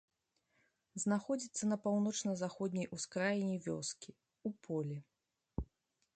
Знаходзіцца на паўночна-заходняй ускраіне вёскі, у полі.